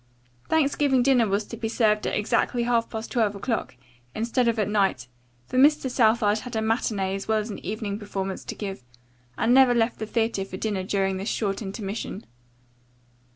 Thanksgiving dinner was to be served at exactly half past twelve o'clock, instead of at night, for Mr. Southard had a matinee as well as an evening performance to give and never left the theatre for dinner during this short intermission.